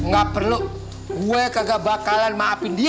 gak perlu gua gak bakalan maafin dia